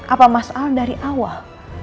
apa mas al dari awal